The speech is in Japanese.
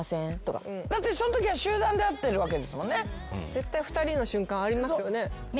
絶対２人の瞬間ありますよ。